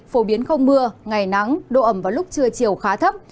phổ biến không mưa ngày nắng độ ẩm vào lúc trưa chiều khá thấp